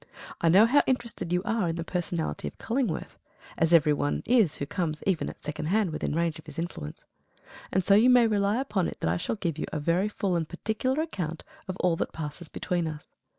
I know how interested you are in the personality of Cullingworth as every one is who comes, even at second hand, within range of his influence; and so you may rely upon it that I shall give you a very full and particular account of all that passes between us.